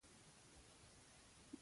او زه بیا ډېره وږې یم